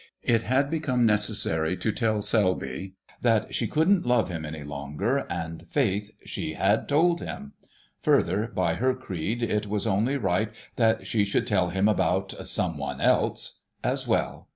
It had become necessary to tell Selby that she couldn't love him any longer, and, faith, she had told him. Further, by her creed, it was only right that she should tell him about Someone Else as well.